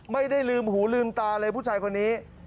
ไม่ได้ลืมหูลืมตาเลยผู้ชายคนนี้